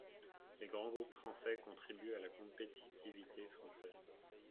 Les grands groupes français contribuent à la compétitivité française.